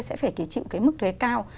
sẽ phải chịu cái mức thuế cao